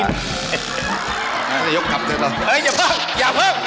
เฮ่ยอย่าเพิ่ม